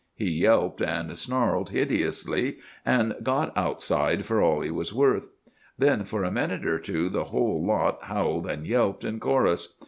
He yelped and snarled hideously, and got outside for all he was worth. Then for a minute or two the whole lot howled and yelped in chorus.